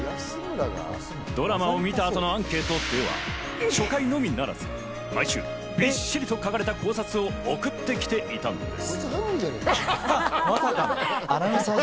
ドラマを見た後のアンケートでは初回のみならず、毎週びっしりと書かれた考察を送ってきていたんです。